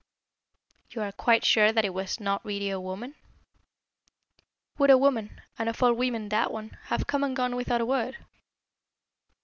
"You are quite sure that it was not really a woman?" "Would a woman, and of all women that one, have come and gone without a word?"